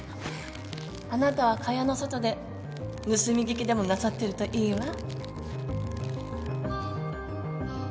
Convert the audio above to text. あなたは蚊帳の外で盗み聞きでもなさってるといいわ。